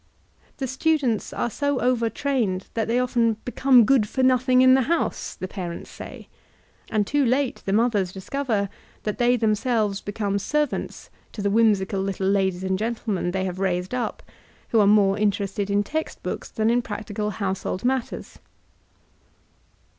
The students are so overtrained diat they often *1)ecome Modern Educational Reform 331 good for nothing in die house/* the parents say, and too late the mothers discover that they themselves become servants to the whimsical little ladies and gentlemen they have raised up, who are more interested in text books than in practical household matters.